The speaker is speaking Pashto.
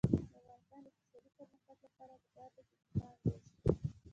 د افغانستان د اقتصادي پرمختګ لپاره پکار ده چې بوټان جوړ شي.